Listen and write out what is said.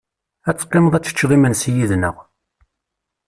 Ad teqqimeḍ ad teččeḍ imensi yid-neɣ.